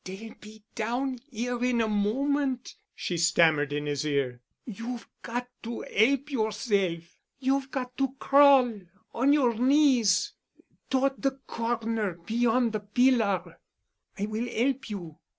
"Dey'll be down 'ere in a moment," she stammered in his ear. "You've got to help yourself. You've got to. Crawl—on your knees—toward de corner beyond de pillar. I will 'elp you."